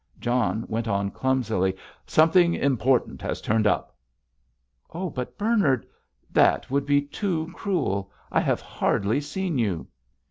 John went on, clumsily: "Something important has turned up!" "Oh, but, Bernard, that would be too cruel. I have hardly seen you!"